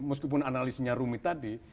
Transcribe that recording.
meskipun analisnya rumit tadi